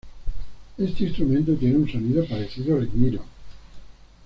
Este instrumento tiene un sonido parecido al güiro.